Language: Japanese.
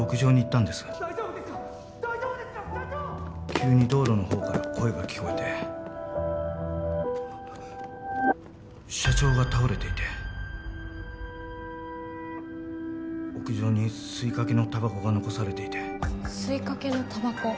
・急に道路の方から声が聞こえて・社長が倒れていて・屋上に吸いかけのタバコが残されていて吸いかけのタバコ？